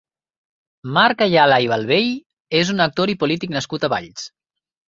Marc Ayala i Vallvey és un actor i polític nascut a Valls.